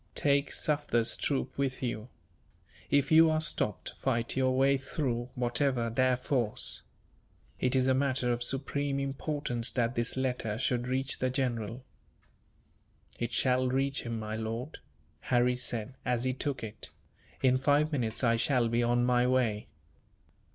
Take Sufder's troop with you. If you are stopped, fight your way through, whatever their force. It is a matter of supreme importance that this letter should reach the general." "It shall reach him, my lord," Harry said, as he took it; "in five minutes I shall be on my way."